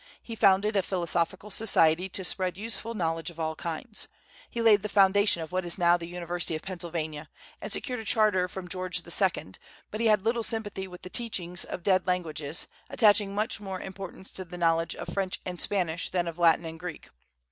He founded a philosophical society to spread useful knowledge of all kinds. He laid the foundation of what is now the University of Pennsylvania, and secured a charter from George II.; but he had little sympathy with the teaching of dead languages, attaching much more importance to the knowledge of French and Spanish than of Latin and Greek.